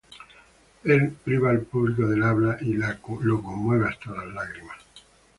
Él priva al público del habla y lo conmueve hasta las lágrimas.